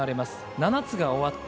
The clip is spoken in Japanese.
７つが終わって